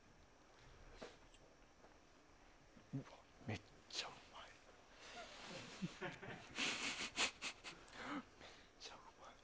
めっちゃうまい。